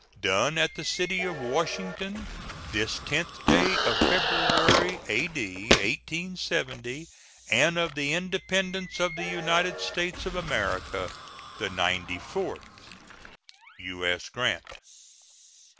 Done at the city of Washington, this 10th day of February, A.D. 1870, and of the Independence of the United States of America the ninety fourth. [SEAL.] U.S. GRANT.